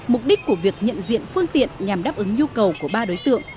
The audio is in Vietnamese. mục đích của việc nhận diện phương tiện nhằm đáp ứng nhu cầu của ba đối tượng